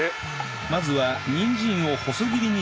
まずはにんじんを細切りにします